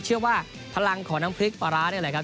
พลังของน้ำพริกปลาร้านี่แหละครับ